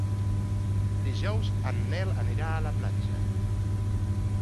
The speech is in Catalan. Dijous en Nel anirà a la platja.